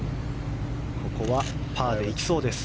ここはパーで行きそうです。